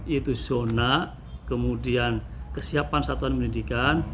itu zona kemudian kesiapan satuan pendidikan